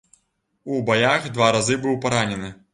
У баях два разы быў паранены.